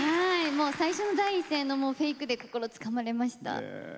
最初の第一声のフェイクで心つかまれました。